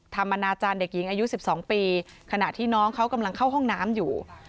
อนาจารย์เด็กหญิงอายุ๑๒ปีขณะที่น้องเขากำลังเข้าห้องน้ำอยู่